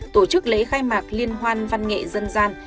tổ chức lễ khai mạc liên hoan văn nghệ dân gian